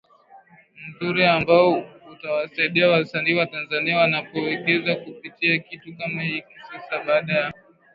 mzuri ambao utawasaidia wasanii wa Tanzania wanapowekeza kupitia kitu kama hiki Sasa baada ya